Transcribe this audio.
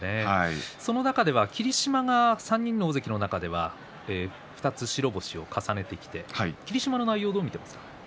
そんな中では霧島が３人の大関の中では２つ白星を重ねてきて霧島の内容をどう見ていますか？